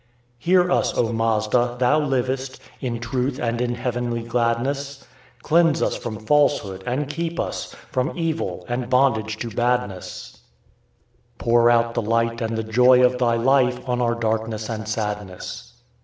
Hear us, O Mazda! Thou livest in truth and in heavenly gladness; Cleanse us from falsehood, and keep us from evil and bondage to badness; Pour out the light and the joy of Thy life on our darkness and sadness.